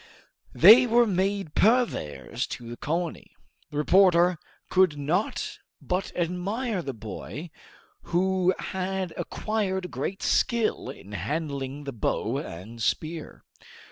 They were made purveyors to the colony. The reporter could not but admire the boy, who had acquired great skill in handling the bow and spear.